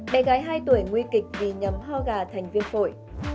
bé gái hai tuổi nguy kịch vì nhấm ho gà thành viên phổi